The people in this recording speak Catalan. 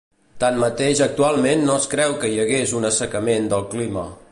Tanmateix actualment no es creu que hi hagués un assecament del clima.